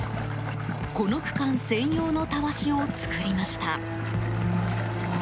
この区間専用のたわしを作りました。